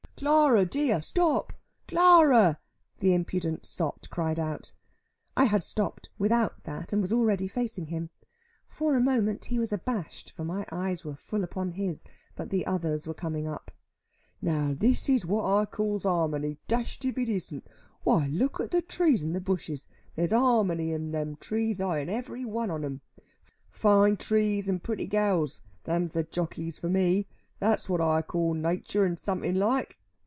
"Clara dear, stop, Clara!" the impudent sot cried out. I had stopped without that, and was already facing him. For a moment he was abashed, for my eyes were full upon his; but the others were coming up. "Now this is what I calls harmony, dashed if it isn't. Why look at the trees and the bushes. There's harmony in them trees, ay in every one on 'em. Fine trees and pretty gals, them's the jockeys for me. That's what I calls natur' and something like.